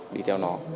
đi theo này